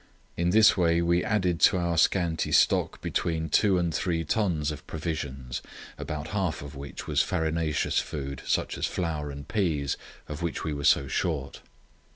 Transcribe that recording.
In this way we added to our scanty stock between two and three tons of provisions, about half of which was farinaceous food, such as flour and peas, of which we were so short.